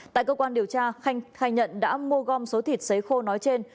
tại cơ quan điều tra khanh khai nhận đã mua gom số thịt xấy khô nói trên